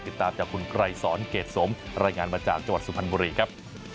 ติดตามจากคุณไกรสอนเกรดสมรายงานมาจากจังหวัดสุพรรณบุรีครับ